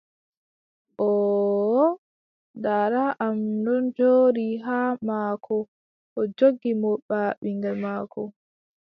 Oooho. Daada am ɗon jooɗi haa maako, o joggi mo baa ɓinŋgel maako.